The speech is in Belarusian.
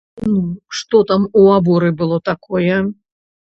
Ну, што там у аборы было такое?